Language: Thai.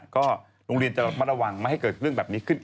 ก็โรงเรียนจะระมัดระวังไม่ให้เกิดเรื่องแบบนี้ขึ้น